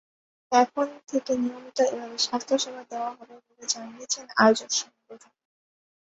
এখন থেকে নিয়মিত এভাবে স্বাস্থ্যসেবা দেওয়া হবে বলে জানিয়েছে আয়োজক সংগঠন।